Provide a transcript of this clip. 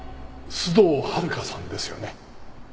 須藤温香さんですよね？